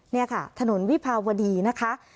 นี่ค่ะถนนวิภาวดีนะคะ